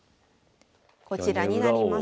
こちらになります。